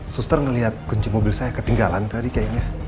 suster ngelihat kunci mobil saya ketinggalan tadi kayaknya